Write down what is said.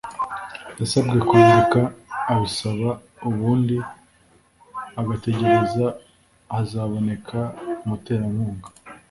yasabwe kwandika abisaba ubundi agategereza hazaboneka umuterankunga